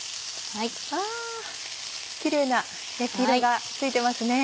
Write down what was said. あキレイな焼き色がついてますね。